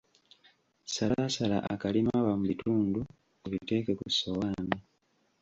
Salaasala akalimaawa mu bitundu obiteeke ku ssowaani.